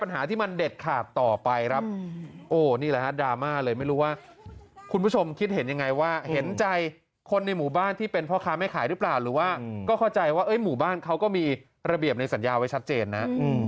หรือว่าก็เข้าใจว่าหมู่บ้านเขาก็มีระเบียบในสัญญาไว้ชัดเจนนะ